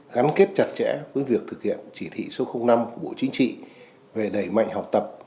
gắn kết chặt chẽ với việc thực hiện chỉ thị số năm của bộ chính trị về đẩy mạnh học tập